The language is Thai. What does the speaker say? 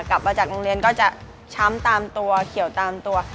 กลับมาจากโรงเรียนก็จะช้ำตามตัวเขียวตามตัว